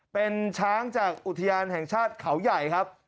เป็นช้างจากอุทยานแห่งชาติเขาใหญ่ครับ